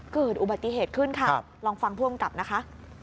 เกิดอุบัติเหตุขึ้นลองฟังพวกมันกลับนะคะ